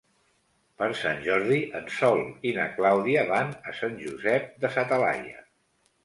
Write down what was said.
Per Sant Jordi en Sol i na Clàudia van a Sant Josep de sa Talaia.